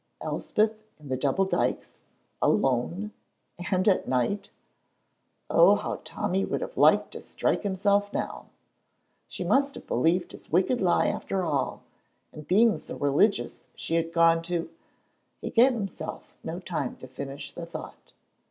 Elspeth in the double dykes alone and at night! Oh, how Tommy would have liked to strike himself now! She must have believed his wicked lie after all, and being so religious she had gone to He gave himself no time to finish the thought.